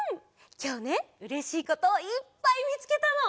きょうねうれしいこといっぱいみつけたの。